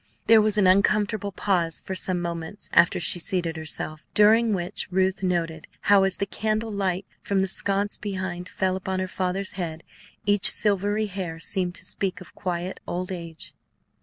There was an uncomfortable pause for some moments after she had seated herself, during which Ruth noted how, as the candle light from the sconce behind fell upon her father's head, each silvery hair seemed to speak of quiet old age.